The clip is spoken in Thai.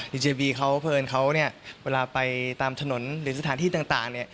เจบีเขาเพลินเขาเวลาไปตามถนนหรือสถานที่ต่าง